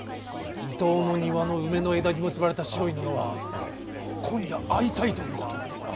伊東の庭の梅の枝に結ばれた白い布は今夜会いたいということ。